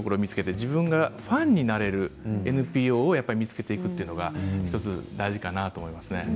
自分がファンになれるＮＰＯを見つけていくということが大事かなと思います。